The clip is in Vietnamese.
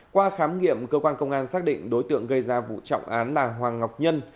qua khám nghiệm cơ quan công an xác định đối tượng gây ra vụ trọng án là hoàng ngọc nhân